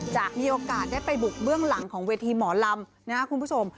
จะมีโอกาสได้ไปบุกเบื้องหลังของเวทีหมอลำนะครับคุณผู้ชม